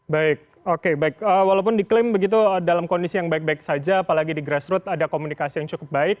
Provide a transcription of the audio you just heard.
baik oke baik walaupun diklaim begitu dalam kondisi yang baik baik saja apalagi di grassroot ada komunikasi yang cukup baik